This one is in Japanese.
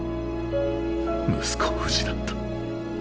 息子を失った。